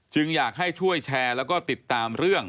อยากให้ช่วยแชร์แล้วก็ติดตามเรื่อง